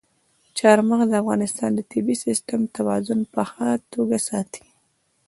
چار مغز د افغانستان د طبعي سیسټم توازن په ښه توګه ساتي.